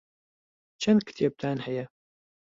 چەند کتێبتان هەیە؟